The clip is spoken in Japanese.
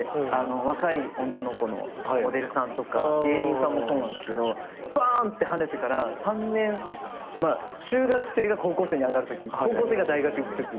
若い女の子のモデルさんとか芸人さんもそうなんすけどバーンってはねてから３年中学生が高校生に上がるとき高校生が大学行くとき。